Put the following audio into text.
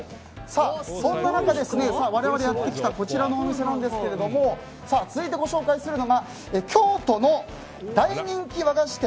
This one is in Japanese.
そんな中、我々がやってきたこちらのお店なんですが続いてご紹介するのが京都の大人気和菓子店朧